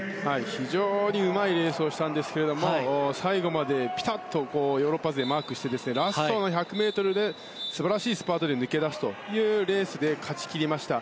非常にうまいレースをしたんですけれども最後までピタッとヨーロッパ勢をマークしてラストの１００ｍで素晴らしいスパートで抜け出すというレースで勝ち切りました。